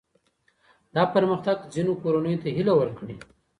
دا پرمختګ ځینو کورنیو ته هیله ورکړې.